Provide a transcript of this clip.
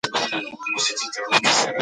دا ښوونکی د ډېرو کلونو تجربه لري.